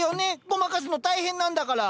ごまかすの大変なんだから。